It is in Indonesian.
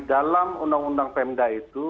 di dalam undang undang pmd itu